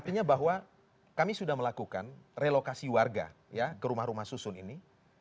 artinya bahwa kami sudah melakukan relokasi warga ke rumah rumah susun ini